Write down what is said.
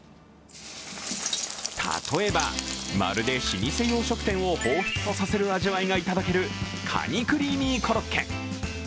例えば、まるで老舗洋食店を彷彿とさせる味わいが頂ける蟹クリーミーコロッケ。